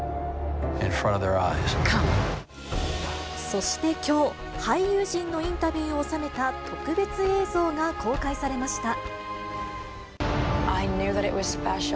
そしてきょう、俳優陣のインタビューを収めた特別映像が公開されました。